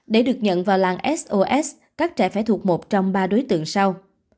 để được nhận vào làng sos các trẻ phải thuộc một trong ba đối tượng sau